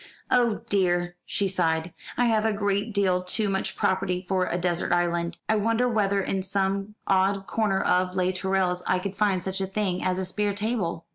"Oh dear," she sighed. "I have a great deal too much property for a desert island. I wonder whether in some odd corner of Les Tourelles I could find such a thing as a spare table?"